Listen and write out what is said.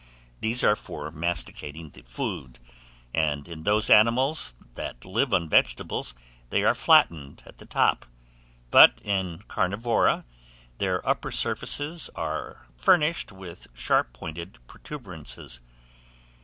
These are for masticating the food; and in those animals that live on vegetables, they are flattened at the top; but, in carnivora, their upper surfaces are furnished with sharp pointed protuberances.